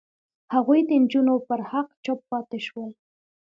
هغوی د نجونو پر حق چوپ پاتې شول.